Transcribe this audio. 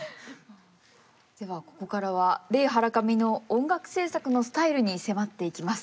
ではここからはレイ・ハラカミの音楽制作のスタイルに迫っていきます。